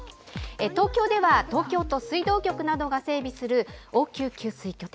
東京では東京都水道局などが整備する応急給水拠点